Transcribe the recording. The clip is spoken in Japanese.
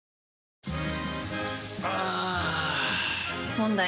問題。